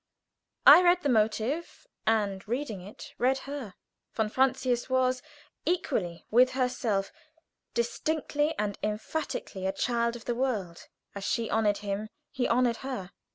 I read the motive, and, reading it, read her. Von Francius was, equally with herself, distinctly and emphatically a child of the world as she honored him he honored her.